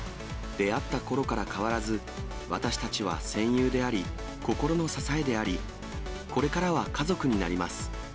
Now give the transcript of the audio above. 出会ったころから変わらず、私たちは、戦友であり、心の支えであり、これからは家族になります。